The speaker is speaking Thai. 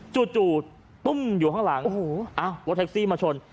จู่ตุ้มอยู่ข้างหลังโอ้โหอ้าวรถแท็กซี่มาชน